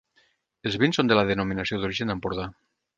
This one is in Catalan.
Els vins són de la denominació d'Origen Empordà.